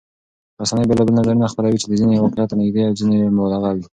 رسنۍ بېلابېل نظرونه خپروي چې ځینې یې واقعيت ته نږدې او ځینې مبالغه وي.